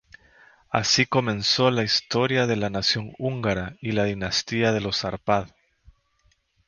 Así comenzó la historia de la nación húngara y la dinastía de los Árpád.